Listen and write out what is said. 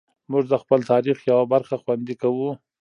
موږ د خپل تاریخ یوه برخه خوندي کوو.